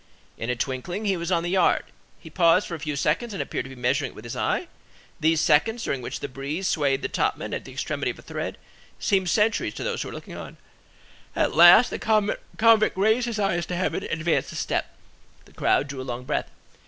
In a twinkling he was on the yard; he paused for a few seconds and appeared to be measuring it with his eye; these seconds, during which the breeze swayed the topman at the extremity of a thread, seemed centuries to those who were looking on. At last, the convict raised his eyes to heaven and advanced a step: the crowd drew a long breath.